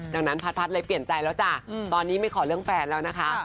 ดังนั้นพัดเลยเปลี่ยนใจแล้วจ้ะตอนนี้ไม่ขอเรื่องแฟนแล้วนะคะ